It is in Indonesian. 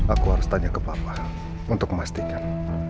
aku harus tanya ke bapak untuk memastikan